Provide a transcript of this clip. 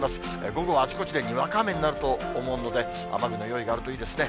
午後はあちこちで、にわか雨になると思うので、雨具の用意があるといいですね。